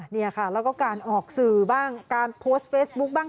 เนี่ยค่ะแล้วก็การออกสื่อบ้างการโพสต์เฟซบุ๊คบ้าง